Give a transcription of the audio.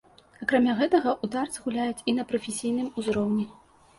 Акрамя гэтага, у дартс гуляюць і на прафесійным узроўні.